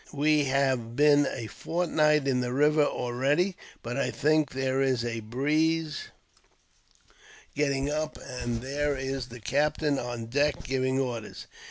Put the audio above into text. We have been a fortnight in the river already. But I think there is a breeze getting up, and there is the captain on deck, giving orders."